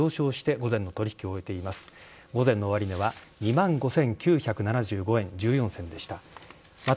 午前の終値は２万５９７５円１４銭でした。